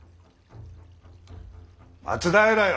松平よ